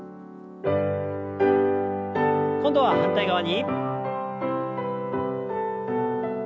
今度は反対側に。